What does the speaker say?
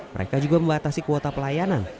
mereka juga membatasi kuota pelayanan